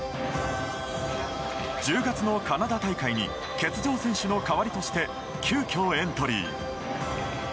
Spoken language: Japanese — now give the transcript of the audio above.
１０月のカナダ大会に欠場選手の代わりとして急きょ、エントリー。